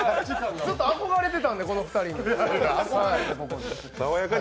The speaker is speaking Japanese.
ずっと憧れてたんで、この２人で。